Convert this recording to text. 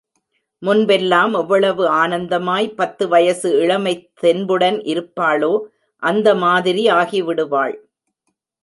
மூன்பெல்லாம் எவ்வளவு ஆனந்தமாய், பத்து வயசு இளமைத் தெம்புடன் இருப்பாளோ அந்த மாதிரி ஆகிவிடுவாள்.